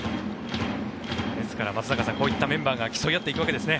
ですから松坂さんこういったメンバーが競い合っていくわけですね。